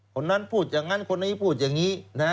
คนนั้นพูดอย่างนั้นคนนี้พูดอย่างนี้